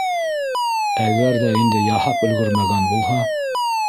Әгәр ҙә инде яһап өлгәрмәгән булһа...